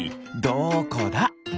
どこだ？